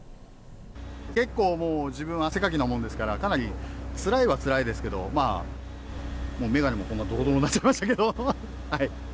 結構もう、自分、汗かきなもんですから、かなりつらいはつらいですけど、もう眼鏡もこんなどろどろになっちゃいましたけど。